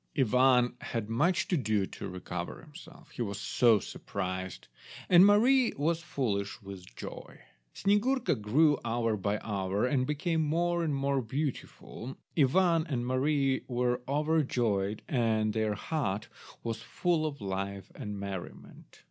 Ivan had much to do to recover himself, he was so surprised, and Mary was foolish with joy. Snyegurka grew hour by hour, and became more and more beautiful. Ivan and Mary were overjoyed, and their hut was full of life and merriment.